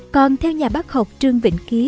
còn theo nhà bác học trương vĩnh ký